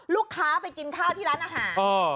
ลูกค้าไปกินข้าวที่ร้านอาหาร